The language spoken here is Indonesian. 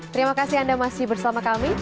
terima kasih anda masih bersama kami